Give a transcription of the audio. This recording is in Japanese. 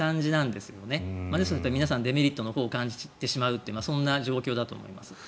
ですので、皆さんデメリットのほうを感じてしまうというそんな状況だと思います。